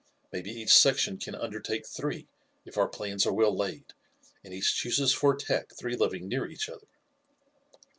Maybe each section can undertake three if our plans are well laid, and each chooses for attack three living near each other.